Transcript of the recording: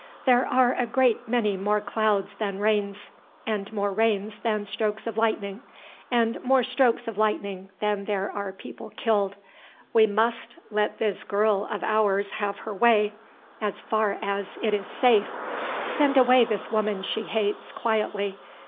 There are a great many more clouds than rains, and more rains than strokes of lightning, and more strokes of lightning than there are people killed. We must let this girl of ours have her way, as far as it is safe. Send away this woman she hates, quietly.